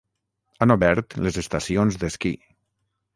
Han obert les estacions d'esquí.